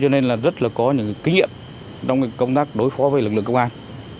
cho nên là rất là có những kinh nghiệm trong công tác đối phó với lực lượng công an